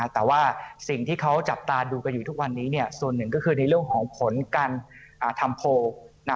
แต่ว่าสิ่งที่เขาจับตาดูกันอยู่ทุกวันนี้ส่วนหนึ่งก็คือในเรื่องของผลการทำโพล